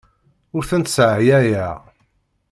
Ur tent-sseɛyayeɣ.